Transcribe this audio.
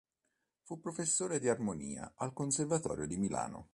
Fu professore di armonia al Conservatorio di Milano.